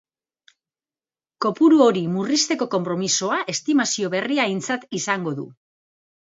Kopuru hori murrizteko konpromisoa estimazio berria aintzat izango du.